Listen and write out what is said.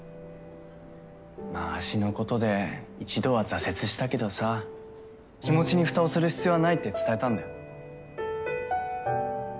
まあ足のことで１度は挫折したけどさ気持ちに蓋をする必要はないって伝えたんだよ。